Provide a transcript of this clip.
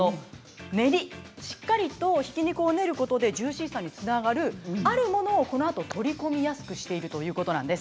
練りしっかりとひき肉を練ることでジューシーさにつながるあるものを取り込みやすくしているということなんです。